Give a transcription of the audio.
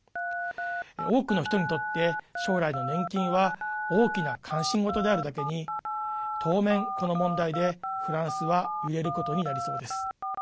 多くの人にとって、将来の年金は大きな関心事であるだけに当面、この問題でフランスは揺れることになりそうです。